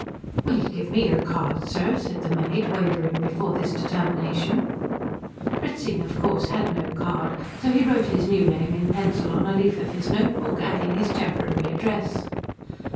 "Will you give me your card, sir?" said the maid, wavering before this determination. Fritzing, of course, had no card, so he wrote his new name in pencil on a leaf of his notebook, adding his temporary address.